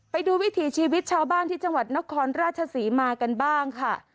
วิถีชีวิตชาวบ้านที่จังหวัดนครราชศรีมากันบ้างค่ะ